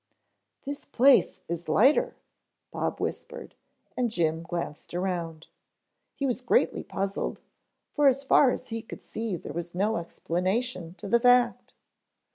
"This place is lighter," Bob whispered, and Jim glanced around. He was greatly puzzled, for as far as he could see there was no explanation to the fact.